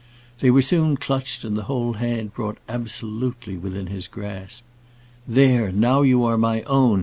They were soon clutched, and the whole hand brought absolutely within his grasp. "There, now you are my own!"